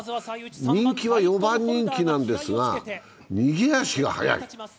人気は４番人気なんですが逃げ足が速い。